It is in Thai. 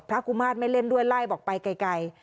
กุมาตรไม่เล่นด้วยไล่บอกไปไกล